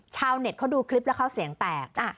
ชาวเน็ตเขาดูคลิปแล้วเขาเสียงแตก